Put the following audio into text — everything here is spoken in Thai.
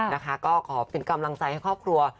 นะคะก็ขอเป็นกำลังใจให้ครอบครัว